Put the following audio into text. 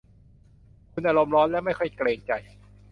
คุณอารมณ์ร้อนและไม่ค่อยเกรงใจ